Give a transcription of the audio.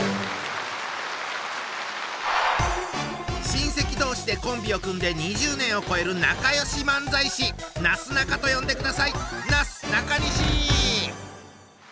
親戚同士でコンビを組んで２０年を超える仲良し漫才師なすなかと呼んでください！